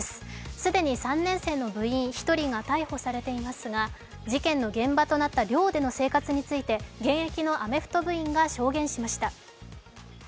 既に３年生の部員１人が逮捕されていますが、事件の現場となった寮での生活について現役のアメフト部員が証言しました。